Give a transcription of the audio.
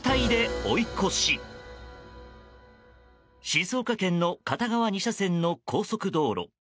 静岡県の片側２車線の高速道路。